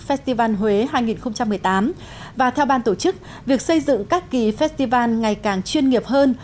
festival huế hai nghìn một mươi tám và theo ban tổ chức việc xây dựng các kỳ festival ngày càng chuyên nghiệp hơn